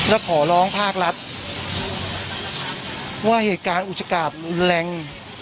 และขอร้องภาครัฐว่าเหตุการณ์อุจจักรแรง